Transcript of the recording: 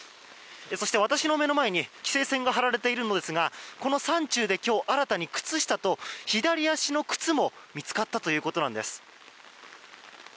そして私の目の前に規制線が張られているんですが今日、新たに靴下と左足の靴も見つかったということなんです。